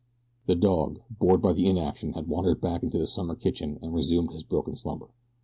The dog, bored by the inaction, had wandered back into the summer kitchen and resumed his broken slumber.